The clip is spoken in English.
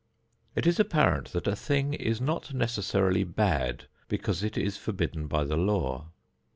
It is apparent that a thing is not necessarily bad because it is forbidden by the law.